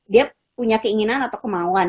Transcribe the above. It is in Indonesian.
dia punya keinginan atau kemauan